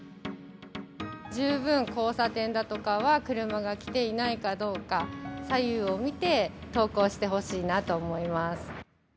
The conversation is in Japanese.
十分、交差点だとかは、車が来ていないかどうか、左右を見て、登校してほしいなと思います。